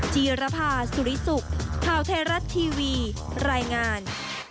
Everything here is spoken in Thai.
จีรภาสุริสุขข่าวไทยรัฐทีวีรายงาน